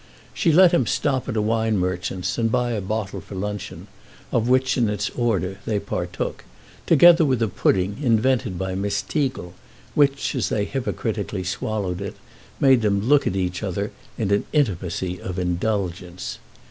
She let him stop at a wine merchant's and buy a bottle for luncheon, of which, in its order, they partook, together with a pudding invented by Miss Teagle, which, as they hypocritically swallowed it, made them look at each other in an intimacy of indulgence.